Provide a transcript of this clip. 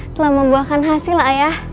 telah membuahkan hasil ayah